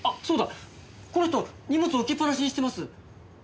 この人荷物置きっぱなしにしてます。